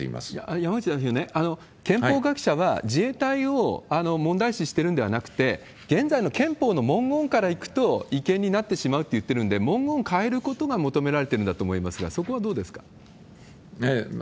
山口代表、憲法学者は自衛隊を問題視してるんではなくて、現在の憲法の文言からいくと、違憲になってしまうと言ってるんで、文言変えることが求められてるんだと思いますが、そこはどうですか。